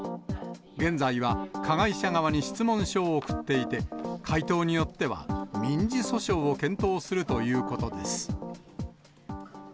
現在は加害者側に質問書を送っていて、回答によっては、民事訴訟を検討するということです。